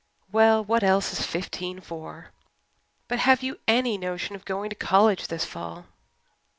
"Well, what else is fifteen for? But have you any notion of going to college this fall?"